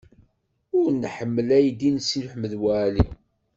Ur nḥemmel aydi n Si Ḥmed Waɛli.